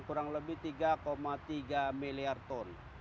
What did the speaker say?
kurang lebih tiga tiga miliar ton